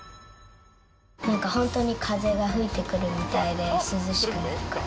なんか本当に風が吹いてくるみたいで、涼しくなるから。